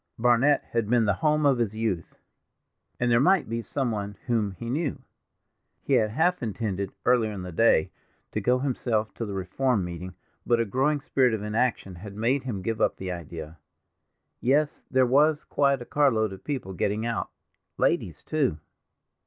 Barnet had been the home of his youth, and there might be some one whom he knew. He had half intended, earlier in the day, to go himself to the Reform meeting, but a growing spirit of inaction had made him give up the idea. Yes, there was quite a carload of people getting out—ladies, too.